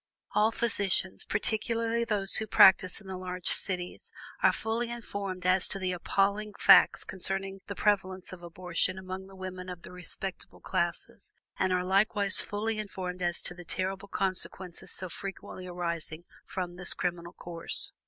All physicians, particularly those who practice in the large cities, are fully informed as to the appalling facts concerning the prevalence of abortion among the women of the "respectable" classes, and are likewise fully informed as to the terrible consequences so frequently arising from this criminal course.